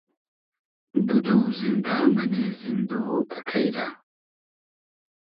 بودۉ زیندۂ مئنې زیندۉ تئکݷ رۂ